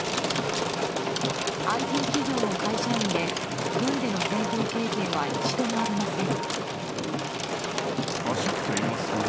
ＩＴ企業の会社員で、軍での戦闘経験は一度もありません。